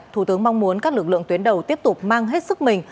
thủ tướng mong muốn các lực lượng tuyến đầu tiếp tục mang hết sức mình